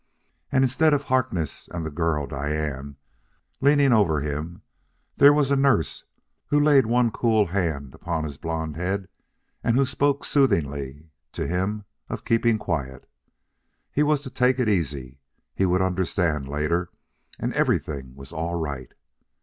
And, instead of Harkness and the girl, Diane, leaning over him there was a nurse who laid one cool hand upon his blond head and who spoke soothingly to him of keeping quiet. He was to take it easy he would understand later and everything was all right....